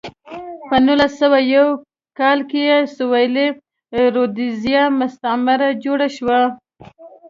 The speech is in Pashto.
په نولس سوه یو کال کې سویلي رودزیا مستعمره جوړه شوه.